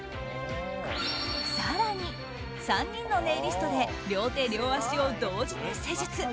更に、３人のネイリストで両手両足を同時に施術。